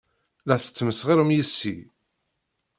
La tesmesxirem yes-i.